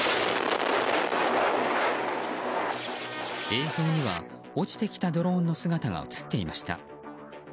映像には、落ちてきたドローンの姿が映っていました。